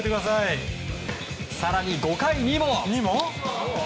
更に、５回にも。